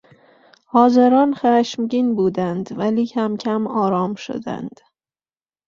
حاضران خشمگین بودند ولی کمکم آرام شدند.